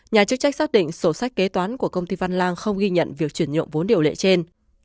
nhà chức trách xác định sổ sách kế toán của công ty văn lang không ghi nhận việc chuyển nhượng vốn điều lệ trên